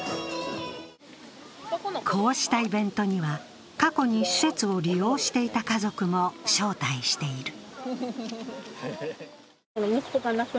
こうしたイベントには、過去に施設を利用していた家族も招待している。